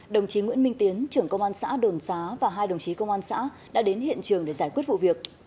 đồng chí nguyễn minh tiến trưởng công an xã đồn xá và hai đồng chí công an xã đã đến hiện trường để giải quyết vụ việc